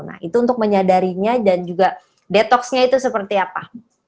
nah itu untuk menyadarinya dan juga detoxnya itu seperti apa